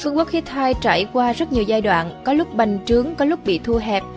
phương quốc hittai trải qua rất nhiều giai đoạn có lúc bành trướng có lúc bị thua hẹp